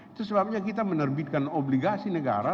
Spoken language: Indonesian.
itu sebabnya kita menerbitkan obligasi negara